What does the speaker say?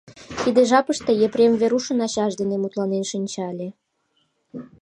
Тиде жапыште Епрем Верушын ачаж дене мутланен шинча ыле.